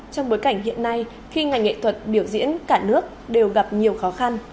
trong bối cảnh hiện nay khi ngành nghệ thuật biểu diễn cả nước đều gặp nhiều khó khăn